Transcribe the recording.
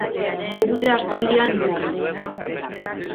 Ez dute aspaldian indarrik.